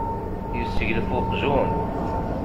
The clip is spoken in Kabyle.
Yesseglef uqjun.